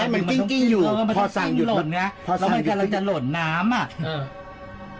แล้วมันกำลังจะหล่นน้ำอ่ะ